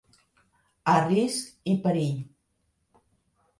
A risc i perill.